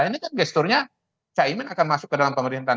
ini kan gesturnya caimin akan masuk ke dalam pemerintahan